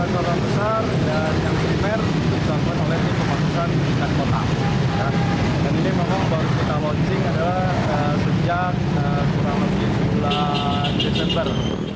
dan ini memang baru kita launching adalah sejak kurang lebih bulan desember